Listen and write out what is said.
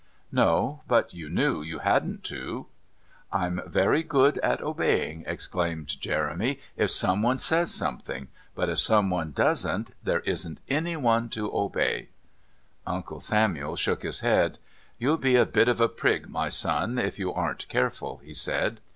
"No, but you knew you hadn't to." "I'm very good at obeying," explained Jeremy, "if someone says something; but if someone doesn't, there isn't anyone to obey." Uncle Samuel shook his head. "You'll be a bit of a prig, my son, if you aren't careful," he said.